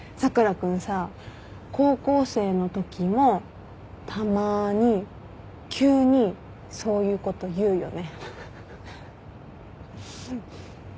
君さ高校生のときもたまに急にそういうこと言うよね。